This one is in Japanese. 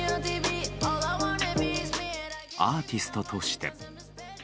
アーティストとして。